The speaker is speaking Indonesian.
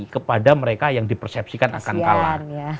kepada mereka yang di persepsikan akan kalah